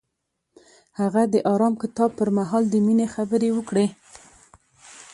هغه د آرام کتاب پر مهال د مینې خبرې وکړې.